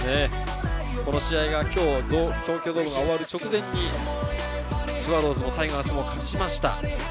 この試合が今日の東京ドームが終わる直前にスワローズもタイガースも勝ちました。